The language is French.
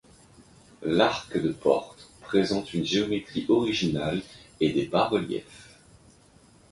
L'arc de porte présente une géométrie originale et des bas-reliefs.